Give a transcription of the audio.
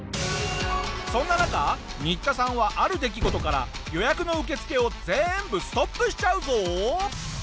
そんな中ニッタさんはある出来事から予約の受け付けを全部ストップしちゃうぞ！